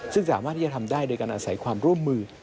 ซึ่งสามารถที่จะทำได้โดยการอาศัยความร่วมมือ